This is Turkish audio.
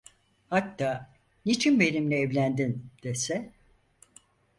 Hatta: "Niçin benimle evlendin?" dese...